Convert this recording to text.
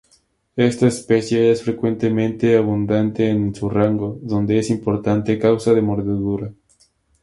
Esta especie es frecuentemente abundante en su rango, donde es importante causa de mordedura.